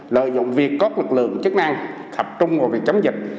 lợi dụng việc có lực lượng chức năng thập trung vào việc chấm dịch